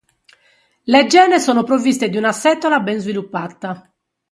Le gene sono provviste di una setola ben sviluppata.